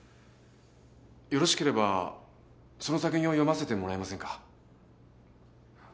よろしければその作品を読ませてもらえませんか？